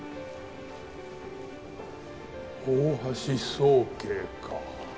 大橋宗桂か。